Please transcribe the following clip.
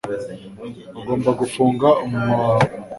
Ugomba gufunga umunwa wawe.